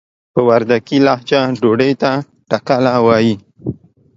په وردګي لهجه ډوډۍ ته ټکله وايي.